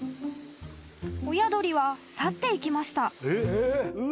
［親鳥は去っていきました］